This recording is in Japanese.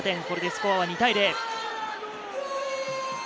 これでスコアは２対０。